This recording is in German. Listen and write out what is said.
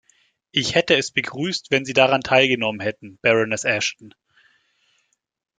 Ich hätte es begrüßt, wenn Sie daran teilgenommen hätten, Baroness Ashton.